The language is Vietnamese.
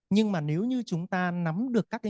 nhưng mà nếu như chúng ta nắm được các cái